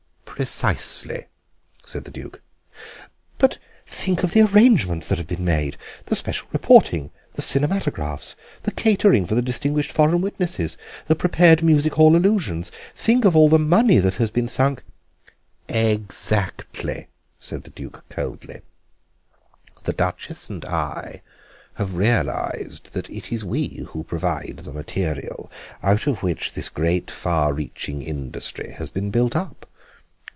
"Precisely," said the Duke. "But think of the arrangements that have been made, the special reporting, the cinematographs, the catering for the distinguished foreign witnesses, the prepared music hall allusions; think of all the money that has been sunk—" "Exactly," said the Duke coldly, "the Duchess and I have realised that it is we who provide the material out of which this great far reaching industry has been built up.